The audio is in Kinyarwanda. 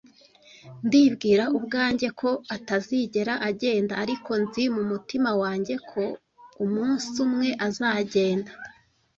Ndibwira ubwanjye ko atazigera agenda, ariko, nzi mumutima wanjye ko umunsi umwe azagenda.